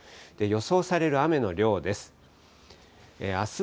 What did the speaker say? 予想される雨の量です。